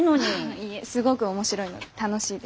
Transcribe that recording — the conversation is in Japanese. いえすごぐ面白いので楽しいです。